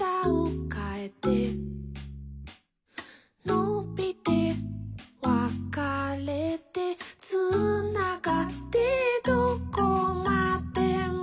「のびてわかれて」「つながってどこまでも」